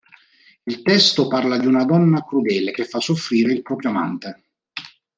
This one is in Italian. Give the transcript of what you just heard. Il testo parla di una donna crudele che fa soffrire il proprio amante.